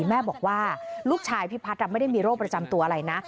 แม่บอกว่าลูกชายพี่พัฒน์ไม่ได้มีโรคประจำตัวอะไรนะ